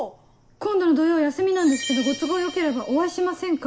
「今度の土曜休みなんですけどご都合よければお会いしませんか？」